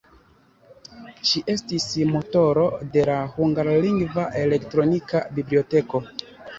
Ŝi estis motoro de la hungarlingva elektronika biblioteko.